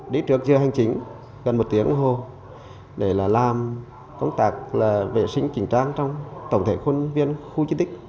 đi trước giờ hành chính gần một tiếng hồ để làm công tác là vệ sinh chỉnh trang trong tổng thể khuôn viên khu di tích